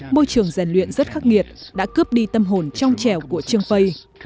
môi trường rèn luyện rất khắc nghiệt đã cướp đi tâm hồn trong trẻo của trương phây